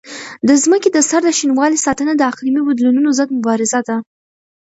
د ځمکې د سر د شینوالي ساتنه د اقلیمي بدلونونو ضد مبارزه ده.